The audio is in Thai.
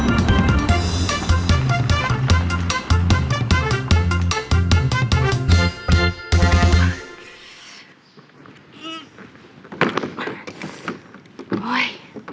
อุ๊ย